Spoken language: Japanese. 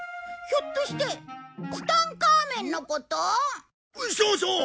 ひょっとしてツタンカーメンのこと？そうそう！